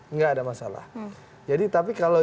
nggak ada masalah jadi tapi kalau